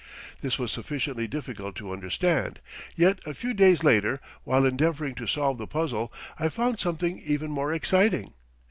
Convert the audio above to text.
This was sufficiently difficult to understand, yet a few days later, while endeavoring to solve the puzzle, I found something even more exciting.